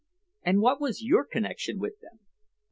"And what was your connection with them?"